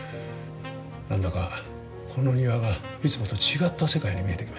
何だかこの庭がいつもと違った世界に見えてきましたよ。